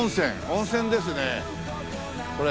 温泉ですねこれ。